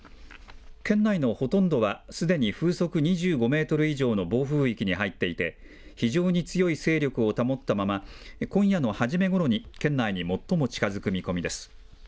県内のほとんどは、すでに風速２５メートル以上の暴風域に入っていて、非常に強い勢力を保ったまま、今夜のはじめごろに県内に最も近づく見込みです。